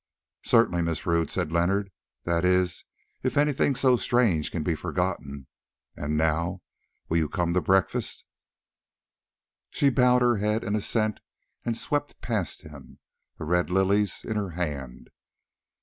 "Certainly, Miss Rodd," said Leonard, "that is, if anything so strange can be forgotten. And now, will you come to breakfast?" She bowed her head in assent and swept past him, the red lilies in her hand.